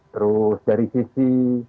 terus dari sisi